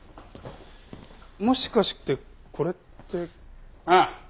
もしかしてこれって。ああ。